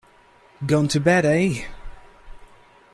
Gone to bed, eh?